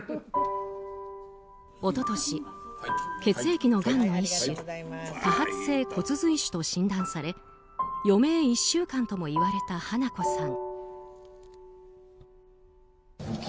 一昨年、血液のがんの一種多発性骨髄腫と診断され余命１週間ともいわれた花子さん。